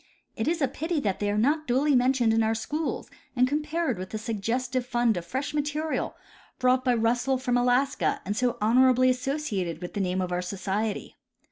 It is a pity that they are not duly mentioned in our schools and com pared with that suggestive fund of fresh material brought by Russell from Alaska and so honorably associated with the name of our society.